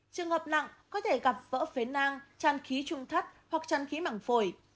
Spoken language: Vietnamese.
trường hợp nặng có thể gặp vỡ phế năng tràn khí trung thất hoặc tràn khí mảng phổi